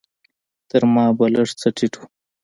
تر ما به لږ څه ټيټ و.